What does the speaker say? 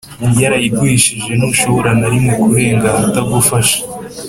Yarayigurishije ntushobora na rimwe kurenga aha atagufashe